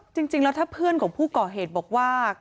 จริงแล้วถ้าเพื่อนของผู้ก่อเหตุบอกว่า